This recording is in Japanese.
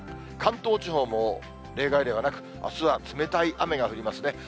関東地方も例外ではなく、あすは冷たい雨が降りますね。